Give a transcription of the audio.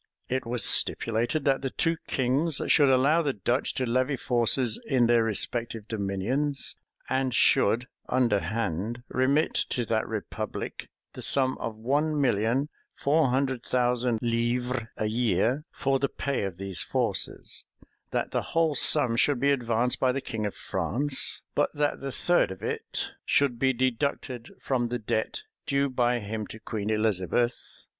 It was stipulated, that the two kings should allow the Dutch to levy forces in their respective dominions; and should underhand remit to that republic the sum of one million four hundred thousand livres a year, for the pay of these forces: that the whole sum should be advanced by the king of France; but that the third of it should be deducted from the debt due by him to Queen Elizabeth.